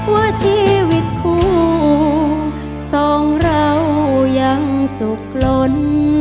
ว่าชีวิตคู่สองเรายังสุขลน